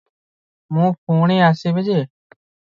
ମୁଁ ପୁଣି ଆସିବି ଯେ ।